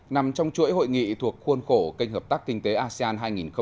nằm trong chuỗi hội nghị thuộc khuôn khổ kênh hợp tác kinh tế asean hai nghìn hai mươi